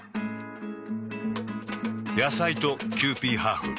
野菜とキユーピーハーフ。